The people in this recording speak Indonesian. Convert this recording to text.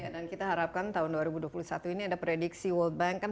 dan kita harapkan tahun dua ribu dua puluh satu ini ada prediksi world bank kan empat delapan